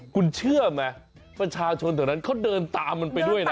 คุณเชื่อไหมประชาชนแถวนั้นเขาเดินตามมันไปด้วยนะ